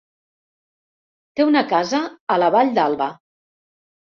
Té una casa a la Vall d'Alba.